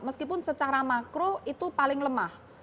meskipun secara makro itu paling lemah